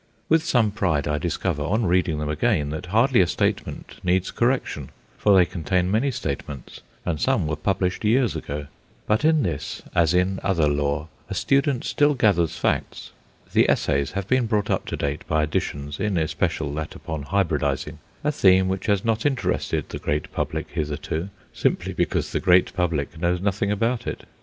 With some pride I discover, on reading them again, that hardly a statement needs correction, for they contain many statements, and some were published years ago. But in this, as in other lore, a student still gathers facts. The essays have been brought up to date by additions in especial that upon "Hybridizing," a theme which has not interested the great public hitherto, simply because the great public knows nothing about it.